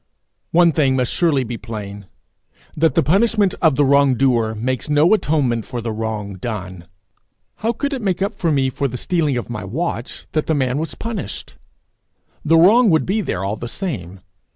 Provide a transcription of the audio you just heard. One thing must surely be plain that the punishment of the wrong doer makes no atonement for the wrong done. How could it make up to me for the stealing of my watch that the man was punished? The wrong would be there all the same.